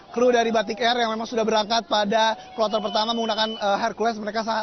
kru dari batik air yang memang sudah berangkat pada kloter pertama menggunakan hercules